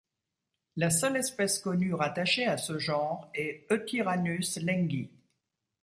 La seule espèce connue rattachée à ce genre est Eotyrannus lengi.